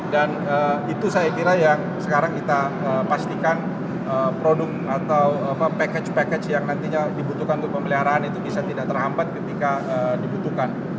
dan itu saya kira yang sekarang kita pastikan produk atau package package yang nantinya dibutuhkan untuk pemeliharaan itu bisa tidak terhampat ketika dibutuhkan